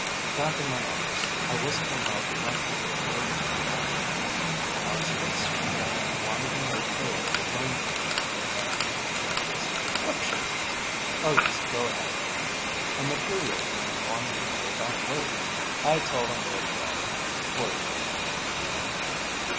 Back in my office, I wasn't allowed the luxury of nervous reaction. Our spacesuit man wanted an Ok on design changes. Changes? What changes?... Oh, yes, go ahead. A materials man wanted to know about weight. I told him where to go for the information.